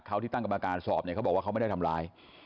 เขาที่ตั้งกรรมการสอบเนี่ยเขาบอกว่าเขาไม่ได้ทำร้าย